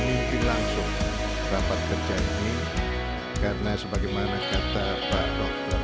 mimpi langsung rapat kerjanya karena sebagaimana kata pak dokter